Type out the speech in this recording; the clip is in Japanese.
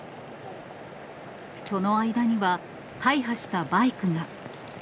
その間には大破したバイクが。